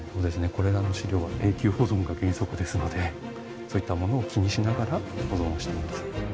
これらの資料は永久保存が原則ですのでそういったものを気にしながら保存をしています。